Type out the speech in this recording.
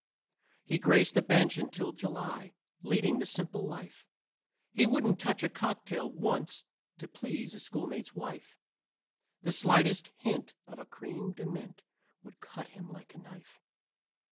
He graced the bench until July, leading the simple life He wouldn't touch a cocktail once to please a schoolmate's wife; The slightest hint of a "creme de mint" would cut him like a knife.